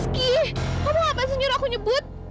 kamu ngapain senyur aku nyebut